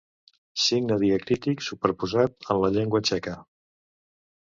Signe diacrític superposat en la llengua txeca.